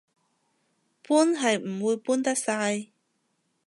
搬係唔會搬得晒